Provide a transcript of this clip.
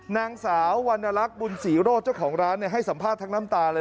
นางสาววรรณลักษณ์บุญศรีโรธเจ้าของร้านให้สัมภาษณ์ทั้งน้ำตาเลย